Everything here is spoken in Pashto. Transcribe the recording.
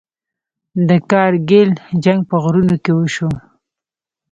د کارګیل جنګ په غرونو کې وشو.